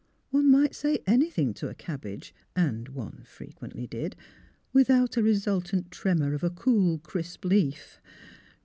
One might say anything to a cabbage — and one fre quently did — without a resultant tremor of a cool, crisp leaf.